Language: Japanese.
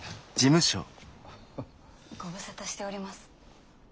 ご無沙汰しております。